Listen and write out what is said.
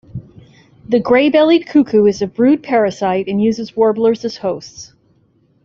The grey-bellied cuckoo is a brood parasite and uses warblers as hosts.